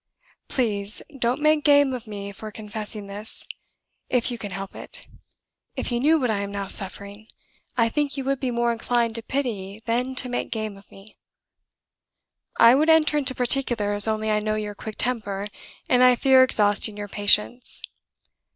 Please don't make game of me for confessing this, if you can help it. If you knew what I am now suffering, I think you would be more inclined to pity than to make game of me. "I would enter into particulars, only I know your quick temper, and I fear exhausting your patience.